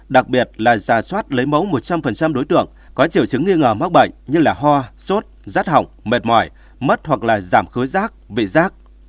đặc biệt là giả soát lấy mẫu một trăm linh đối tượng có triệu chứng nghi ngờ mắc bệnh như ho sốt rát hỏng mệt mỏi mất hoặc là giảm khối rác vị rác